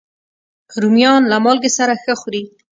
رومیان له مالګې سره ښه خوري